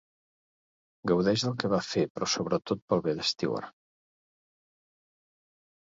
Gaudeix del que va fer, però sobretot pel bé de Steward.